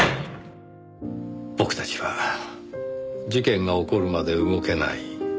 僕たちは事件が起こるまで動けない。